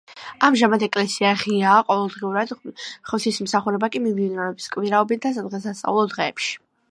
ამჟამად ეკლესია ღიაა ყოველდღიურად, ღვთისმსახურება კი მიმდინარეობს კვირაობით და სადღესასწაულო დღეებში.